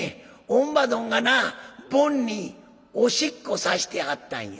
乳母どんがな坊におしっこさしてはったんや」。